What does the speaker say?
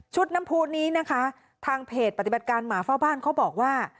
น้ำพูนนี้นะคะทางเพจปฏิบัติการหมาเฝ้าบ้านเขาบอกว่า